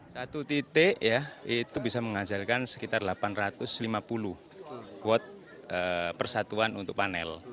satu titik ya itu bisa menghasilkan sekitar delapan ratus lima puluh watt persatuan untuk panel